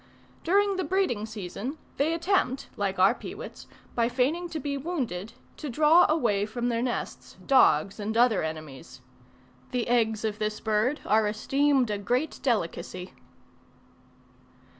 During the breeding season, they attempt, like our peewits, by feigning to be wounded, to draw away from their nests dogs and other enemies. The eggs of this bird are esteemed a great delicacy.